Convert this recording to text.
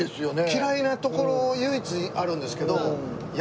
嫌いなところ唯一あるんですけど。